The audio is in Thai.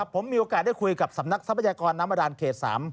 ผมมีโอกาสได้คุยกับสำนักทรัพยากรน้ำบาดานเขต๓